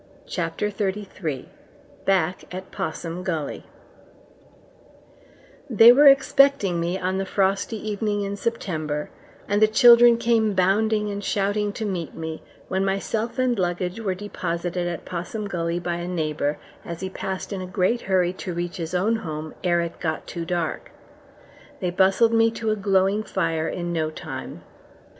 CHAPTER THIRTY THREE Back at Possum Gully They were expecting me on the frosty evening in September, and the children came bounding and shouting to meet me, when myself and luggage were deposited at Possum Gully by a neighbour, as he passed in a great hurry to reach his own home ere it got too dark. They bustled me to a glowing fire in no time.